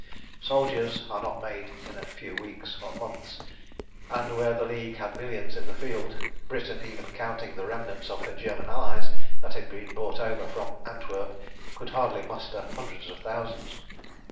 Soldiers are not made in a few weeks or months; and where the League had millions in the field, Britain, even counting the remnant of her German allies, that had been brought over from Antwerp, could hardly muster hundreds of thousands.